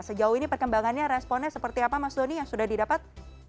sejauh ini perkembangannya responnya seperti apa mas doni yang sudah didapat